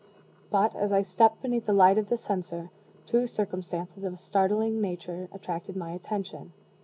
But, as I stepped beneath the light of the censer, two circumstances of a startling nature attracted my attention.